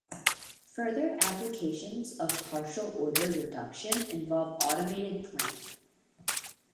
Further applications of partial order reduction involve automated planning.